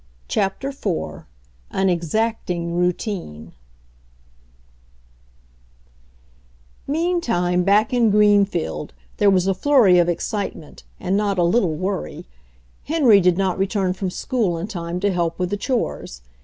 CHAPTER IV AN EXACTING ROUTINE Meantime back in Greenfield there was a flurry, of excitement and not a little worry, Henry did not return from school in time to help with the chores.